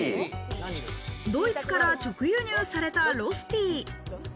ドイツから直輸入されたロスティ。